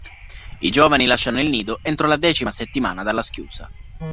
I giovani lasciano il nido entro la decima settimana dalla schiusa.